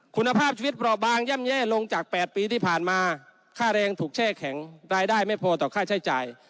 คุณภาพชีวิตเปราะบางย่ำแย่ลงจาก๘ปีที่ผ่านมาค่าแรงถูกแช่แข็งรายได้ไม่พอต่อค่าใช้จ่าย